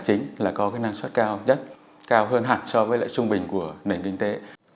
chính là có cái năng suất cao nhất cao hơn hẳn so với lại trung bình của nền kinh tế